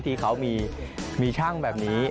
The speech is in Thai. ที่เขามีช่างแบบนี้